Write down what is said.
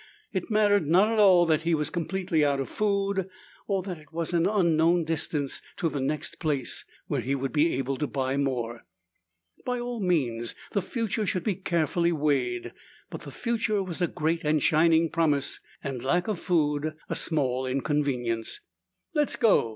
It mattered not at all that he was completely out of food or that it was an unknown distance to the next place where he would be able to buy more. By all means, the future should be carefully weighed, but the future was a great and shining promise and lack of food a small inconvenience. "Let's go!"